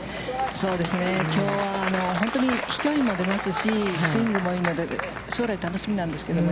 きょうは本当に飛距離も出ますし、スイングもいいので、将来が楽しみなんですけれども。